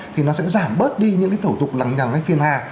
thì nó sẽ giảm bớt đi những cái thủ tục lằn nhằn hay phiền hà